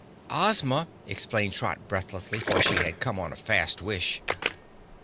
"Ozma," explained Trot breathlessly, for she had come on a fast wish.